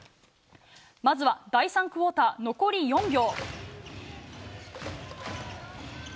まずは第３クオーター、残り４秒。